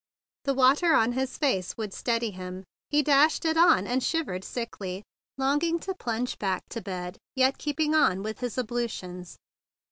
The water on his face would steady him. He dashed it on, and shiv¬ ered sickly, longing to plunge back to bed, yet keeping on with his ablutions.